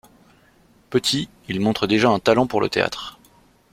Petit, il montre déjà un talent pour le théâtre.